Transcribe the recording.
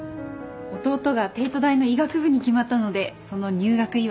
弟が帝都大の医学部に決まったのでその入学祝いです